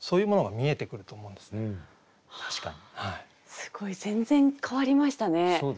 すごい全然変わりましたね。